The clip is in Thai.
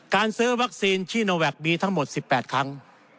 การซื้อวัคซีนชีโนแวคมีทั้งหมด๑๘ครั้ง